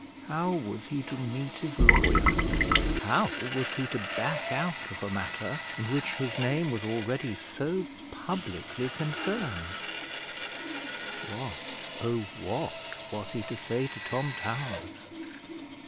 How was he to meet his lawyer? How was he to back out of a matter in which his name was already so publicly concerned? What, oh what! was he to say to Tom Towers?